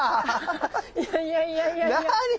あいやいやいやいやいや。